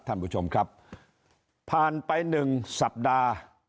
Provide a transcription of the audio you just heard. ท่านผู้ชมครับผ่านไปหนึ่งสัปดาห์